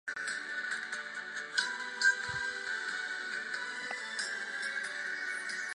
He also served as an adviser to the President of Bangladesh.